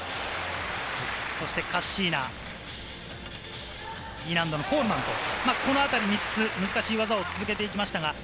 そしてカッシーナ、Ｅ難度のコールマンと、この辺り３つ、難しい技を続けてきました。